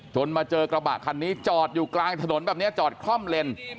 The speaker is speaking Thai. มาเจอกระบะคันนี้จอดอยู่กลางถนนแบบนี้จอดคล่อมเลน